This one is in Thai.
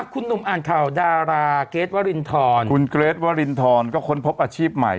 คุณหนุ่มอ่านข่าวดาราเกรทวรินทรคุณเกรทวรินทรก็ค้นพบอาชีพใหม่